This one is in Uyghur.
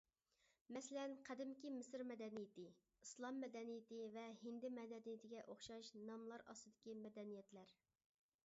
مەسىلەن، قەدىمكى مىسىر مەدەنىيىتى، ئىسلام مەدەنىيىتى ۋە ھىندى مەدەنىيىتىگە ئوخشاش ناملار ئاستىدىكى مەدەنىيەتلەر.